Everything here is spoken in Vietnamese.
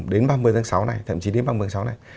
đến ba mươi tháng sáu này thậm chí đến ba mươi tháng sáu này